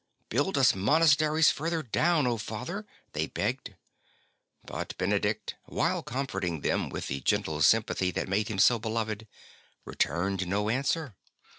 '' Build us monasteries further down, O Father," they begged; but Benedict, while comforting them with the gentle sympathy that made him so beloved, returned no answer.